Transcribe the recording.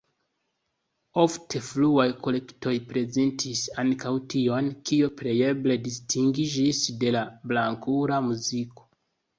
Ofte fruaj kolektoj prezentis ankaŭ tion, kio plejeble distingiĝis de la blankula muziko.